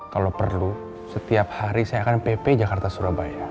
kalau perlu setiap hari saya akan pp jakarta surabaya